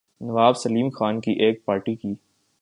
نواب سیلم خان کی ایک پارٹی کی